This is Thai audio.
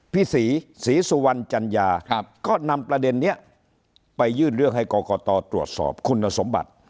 พี่ศรีศรีสุวรรณจัญญาก็นำประเด็นนี้ไปยื่นเรื่องให้กรกตตรวจสอบคุณสมบัติ